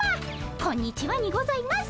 こんにちはにございます。